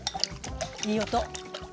いい音！